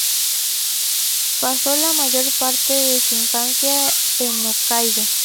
Pasó la mayor parte de su infancia en Hokkaido.